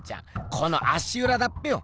この足うらだっぺよ。